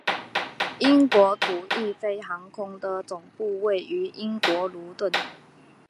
英国途易飞航空的总部位于英国卢顿。